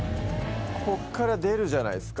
こっから出るじゃないすか。